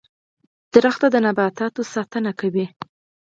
• ونه د نباتاتو ساتنه کوي.